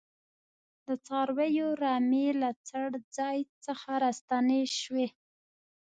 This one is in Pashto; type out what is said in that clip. د څارویو رمې له څړځای څخه راستنې شوې.